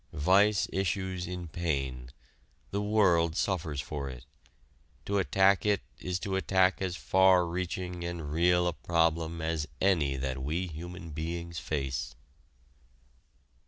Vice issues in pain. The world suffers for it. To attack it is to attack as far reaching and real a problem as any that we human beings face.